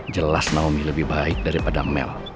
jelas naomi lebih baik daripada mel